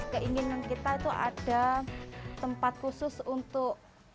keinginan kita itu ada tempat khusus untuk